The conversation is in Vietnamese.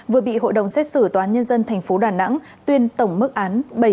vừa bị hội đồng xét xử toán nhân dân thành phố đà nẵng tuyên tổng mức án